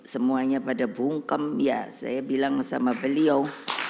semuanya pada bungkem ya saya bilang sama beliau